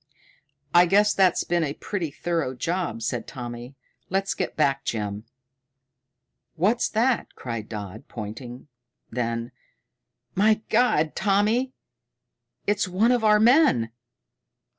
"I guess that's been a pretty thorough job," said Tommy. "Let's get back, Jim." "What's that?" cried Dodd, pointing. Then, "My God, Tommy, it's one of our men!"